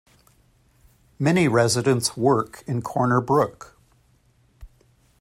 Many residents work in Corner Brook.